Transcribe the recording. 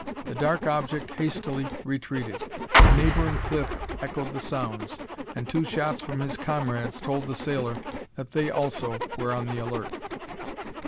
The dark object hastily retreated. A neighbouring cliff echoed the sounds, and two shots from his comrades told the sailor that they also were on the alert.